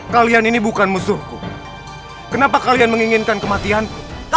kalian ini bukan musuhku kenapa kalian menginginkan kematianku